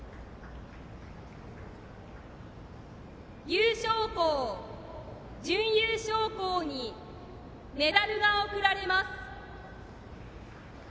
優勝校、準優勝校にメダルが贈られます。